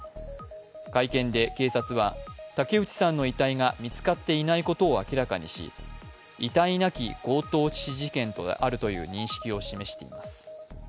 会見で警察は、竹内さんの遺体が見つかっていないことを明らかにし、遺体なき強盗致死事件であるという認識を示しています。